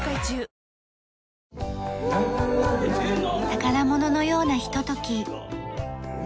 宝物のようなひととき。